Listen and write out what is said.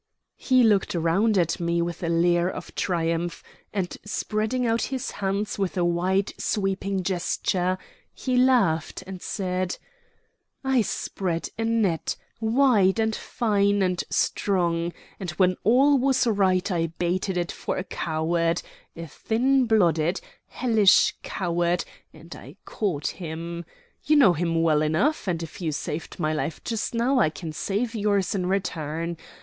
He looked round at me with a leer of triumph, and, spreading out his hands with a wide sweeping gesture, he laughed and said: "I spread a net, wide and fine and strong, and when all was right I baited it for a coward a thin blooded, hellish coward and I caught him. You know him well enough; and if you saved my life just now, I can save yours in return.